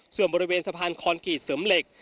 ส่วนบริเวณสะพานคอนกรีตเสริมเหล็ก